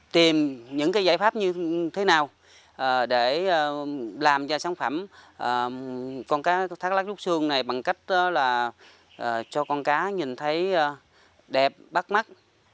tìm những giải pháp như thế nào để làm cho sản phẩm con cá thác lát rút sườn này bằng cách cho con cá nhìn thấy đẹp bắt mắt